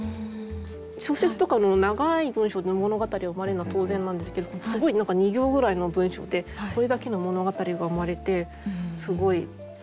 小説とかの長い文章で物語がうまれるのは当然なんですけどすごい何か２行ぐらいの文章でこれだけの物語がうまれてすごい。